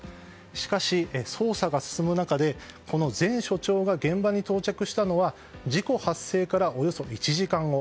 しかし、捜査が進む中でこの前署長が現場に到着したのは事故発生からおよそ１時間後。